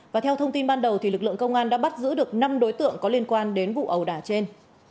và theo thông tin ban đầu lực lượng công an đã bắt giữ được năm đối tượng có liên quan đến vụ ẩu đả trên